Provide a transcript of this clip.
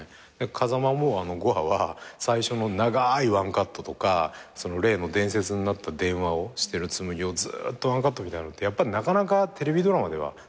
風間も５話は最初の長いワンカットとか例の伝説になった電話をしてる紬をずっとワンカットみたいのってやっぱなかなかテレビドラマではなくてさ。